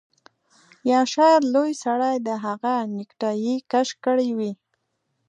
یا شاید لوی سړي د هغه نیکټايي کش کړې وي